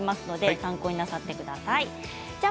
参考になさってください。